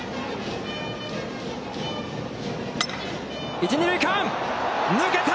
一・二塁間、抜けた！